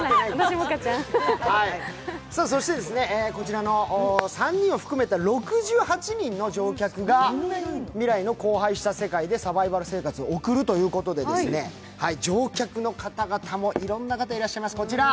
こちらの３人を含めた６８人の乗客が未来の荒廃した世界でサバイバル生活を送るということで、乗客の方々もいろんな方々がいらっしゃいます。